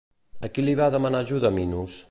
A qui li va demanar ajuda Minos?